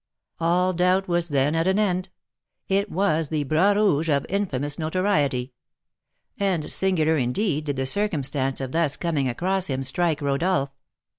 All doubt was then at an end, it was the Bras Rouge of infamous notoriety; and singular indeed did the circumstance of thus coming across him strike Rodolph.